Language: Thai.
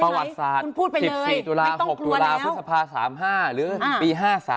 ประวัติศาสตร์๑๔ตุลาภศพา๓๕หรือปี๕๓